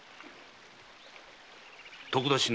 徳田新之助。